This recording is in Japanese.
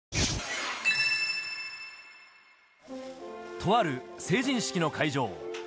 とある成人式の会場。